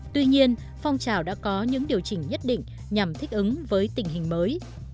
tuy nhiên phong trào đã có những điều chỉnh nhất định nhằm thích ứng với tình hình mới